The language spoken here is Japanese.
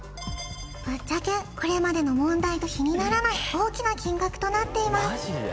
ぶっちゃけこれまでの問題と比にならない大きな金額となっています・マジで！？